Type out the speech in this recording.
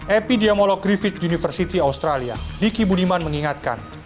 epidemiolog griffith university australia diki budiman mengingatkan